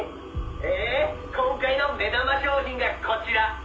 「今回の目玉商品がこちら！」